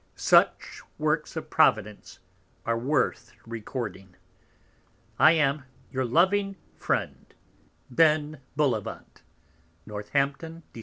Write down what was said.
Such Works of Providence are worth recording. I am Your loving Friend, Northampton, Dec.